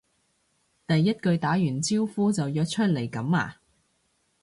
第一句打完招呼就約出嚟噉呀？